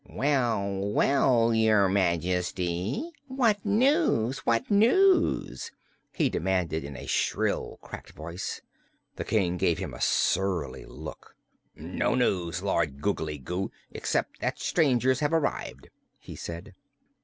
"Well, well, your Majesty; what news what news?" he demanded, in a shrill, cracked voice. The King gave him a surly look. "No news, Lord Googly Goo, except that strangers have arrived," he said.